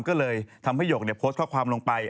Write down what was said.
ก็เลยทำให้หยกโพสต์ข้อความลงไป